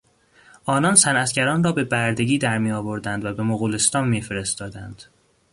آنان صنعتگران را به بردگی درمی آوردند و به مغولستان میفرستادند.